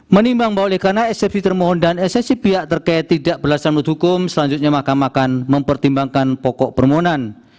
menimbang bahwa oleh karena eksepsi termohon dan esensi pihak terkait tidak berdasarkan hukum selanjutnya mahkamah akan mempertimbangkan pokok permohonan